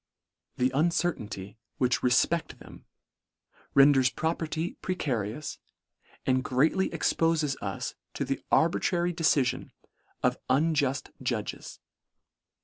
The uncertainty which refpedt them, ren ders property precarious, and greatly expo fes us to the arbitrary decifion of unjuft judg LETTER IX. 95 es.